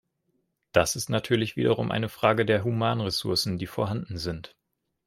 Das ist natürlich wiederum eine Frage der Humanressourcen, die vorhanden sind.